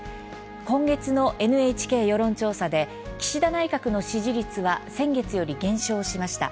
今月のＮＨＫ世論調査で岸田内閣の支持率は先月より減少しました。